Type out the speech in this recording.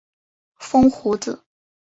风胡子。